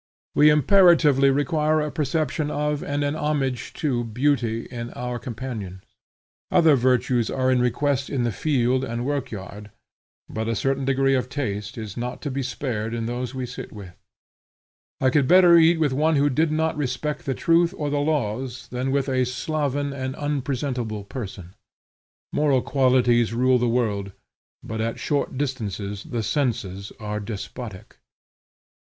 We imperatively require a perception of, and a homage to beauty in our companions. Other virtues are in request in the field and workyard, but a certain degree of taste is not to be spared in those we sit with. I could better eat with one who did not respect the truth or the laws than with a sloven and unpresentable person. Moral qualities rule the world, but at short distances the senses are despotic.